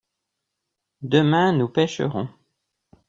demain nous pêcherons.